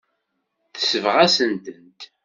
Tesbeɣ-asent-tent.